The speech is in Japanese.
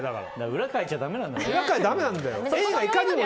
裏かいちゃだめなんだね。